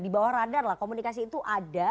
di bawah radar lah komunikasi itu ada